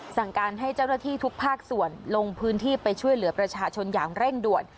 สั่งการให้เจ้าหน้าที่ทุกภาคส่วนลงพื้นที่ไปช่วยเหลือประชาชนอย่างเร่งด่วน